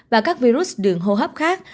và các virus đường hô hấp khác